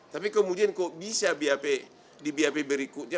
tapi kemudian kok bisa di bap berikutnya